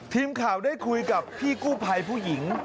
ทีมข่าวได้คุยกับพี่กู้ภัยผู้หญิง